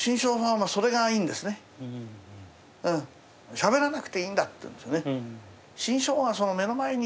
しゃべらなくていいんだって言うんですよね。